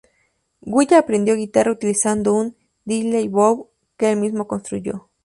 Guy aprendió guitarra utilizando un "diddley bow" que el mismo construyó.